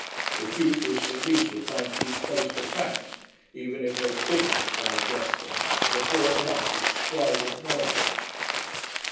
The futurists at least were trying to keep close to facts, even if they couldn't digest them but brought them up with strident noises.